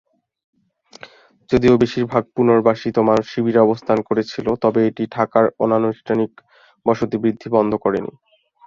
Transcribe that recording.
যদিও বেশিরভাগ পুনর্বাসিত মানুষ শিবিরে অবস্থান করেছিল, তবে এটি ঢাকায় অনানুষ্ঠানিক বসতি বৃদ্ধি বন্ধ করেনি।